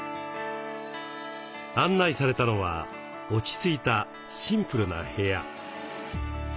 案内されたのは落ち着いたシンプルな部屋。